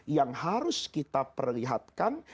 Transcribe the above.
yang harus kita perlihatkan